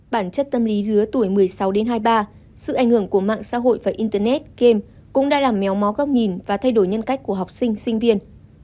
bản chất tâm lý lứa tuổi một mươi sáu đến hai mươi ba sự ảnh hưởng của mạng xã hội và internet game cũng đã làm méo mó góc nhìn và thay đổi nhân cách của học sinh sinh viên